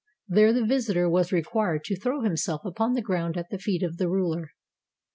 There the visitor was re quired to throw himself upon the ground at the feet of the ruler.